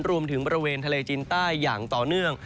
บริเวณทะเลจีนใต้อย่างต่อเนื่อง